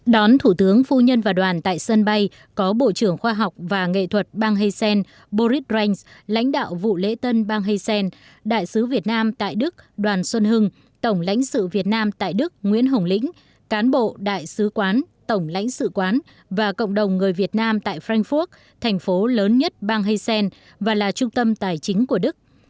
đón thủ tướng phu nhân và đoàn tại sân bay có bộ trưởng khoa học và nghệ thuật bang heysen boris reims lãnh đạo vụ lễ tân bang heysen đại sứ việt nam tại đức đoàn xuân hưng tổng lãnh sự việt nam tại đức nguyễn hồng lĩnh cán bộ đại sứ quán tổng lãnh sự quán và cộng đồng người việt nam tại frankfurt thành phố lớn nhất bang heysen và là trung tâm tài chính của đức